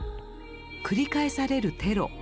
繰り返されるテロ。